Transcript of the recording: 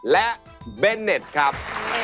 และเบนเน็ตครับ